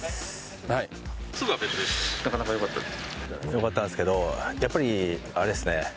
良かったんですけどやっぱりあれですね。